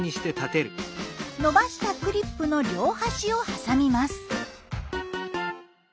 伸ばしたクリップの両端を挟みます。